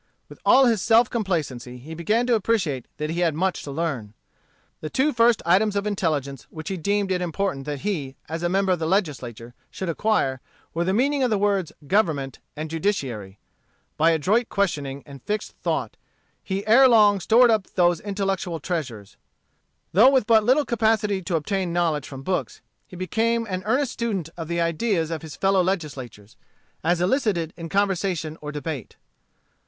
With all his self complacency he began to appreciate that he had much to learn. The two first items of intelligence which he deemed it important that he, as a member of the Legislature, should acquire, were the meaning of the words government and judiciary. By adroit questioning and fixed thought, he ere long stored up those intellectual treasures. Though with but little capacity to obtain knowledge from books, he became an earnest student of the ideas of his fellow legislators as elicited in conversation or debate.